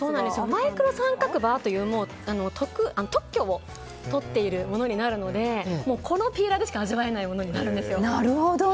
マイクロ三角刃という特許をとっているものなのでこのピーラーでしか味わえないものになるんですよ。